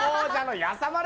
やさまる！